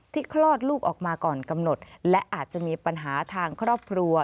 คลอดลูกออกมาก่อนกำหนดและอาจจะมีปัญหาทางครอบครัว